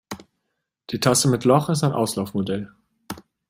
Die Tasse mit Loch ist ein Auslaufmodell.